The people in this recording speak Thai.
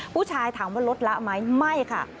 ผู้ชายถามว่าลดละไหมไม่ค่ะ